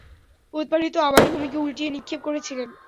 উৎপাটিত আবাসভূমিকে উল্টিয়ে নিক্ষেপ করেছিলেন।